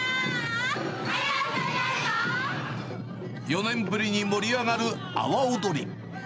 ４年ぶりに盛り上がる阿波踊り。